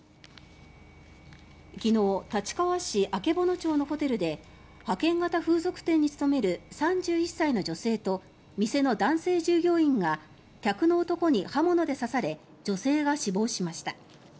昨日、立川市曙町のホテルで派遣型風俗店に勤める３１歳の女性と店の男性従業員が客の男に刃物で刺され女性が死亡しました。